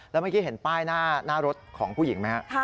แล้วเมื่อกี้เห็นป้ายหน้ารถของผู้หญิงไหมครับ